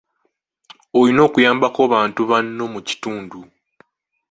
Olina okuyambako bantu banno mu kitundu.